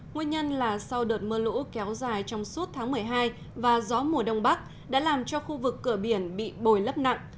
nguyên nhân là sau đợt mưa lũ kéo dài trong suốt tháng một mươi hai và gió mùa đông bắc đã làm cho khu vực cửa biển bị bồi lấp nặng